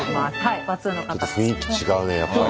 ちょっと雰囲気違うねやっぱり。